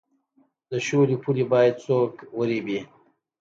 د شولو پولې باید څوک وریبي؟